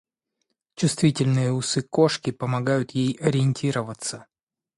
Чувствительные усы кошки помогают ей ориентироваться.